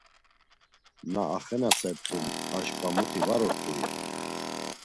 Na axenasert̆u aşǩva muti ort̆ui?